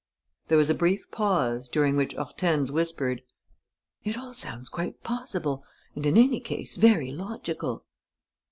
There was a brief pause, during which Hortense whispered: "It all sounds quite possible and, in any case, very logical."